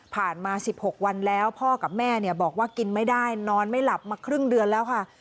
มา๑๖วันแล้วพ่อกับแม่บอกว่ากินไม่ได้นอนไม่หลับมาครึ่งเดือนแล้วค่ะ